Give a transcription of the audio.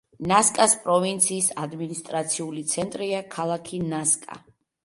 ნასკას პროვინციის ადმინისტრაციული ცენტრია ქალაქი ნასკა.